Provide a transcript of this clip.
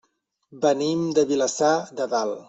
Venim de Vilassar de Dalt.